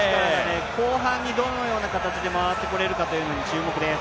後半にどのような形で回ってこれるかが注目です。